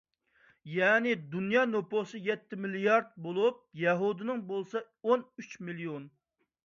يەنى، دۇنيا نوپۇسى يەتتە مىليارد بولۇپ، يەھۇدىينىڭ بولسا ئون ئۈچ مىليون.